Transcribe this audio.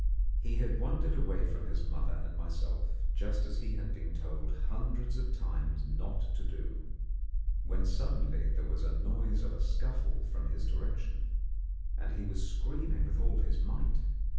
He had wandered away from his mother and myself, just as he had been told hundreds of times not to do, when suddenly there was the noise of a scuffle from his direction, and he was screaming with all his might.